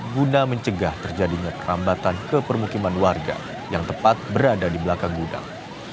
guna mencegah terjadinya kerambatan ke permukiman warga yang tepat berada di belakang gudang